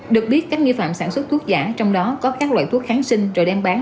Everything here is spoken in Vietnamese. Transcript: được biết các nghi phạm sản xuất thuốc giả trong đó có các loại thuốc kháng sinh rồi đem bán